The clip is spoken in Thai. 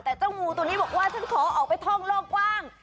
แต่เจ้างูตัวนี้บอกว่าฉันขอออกไปท่องโลกกว้าง